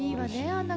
あんな